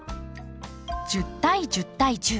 １０対１０対１０。